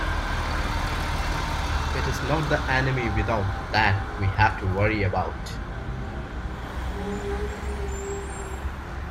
It is not the enemy without that we have to worry about.